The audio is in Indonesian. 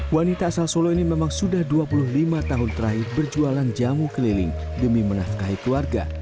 wanita asal solo ini memang sudah dua puluh lima tahun terakhir berjualan jamu keliling demi menafkahi keluarga